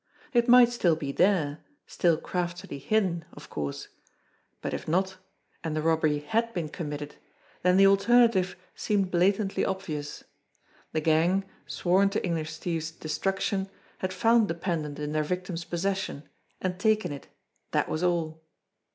It might still be there, still craftily hidden, of course ; but if not, and the robbery had been committed, then the alternative seemed blatantly obvious. The gang, sworn to English Steve's dc struction, had found the pendant in their victim's possession, and taken it that was all.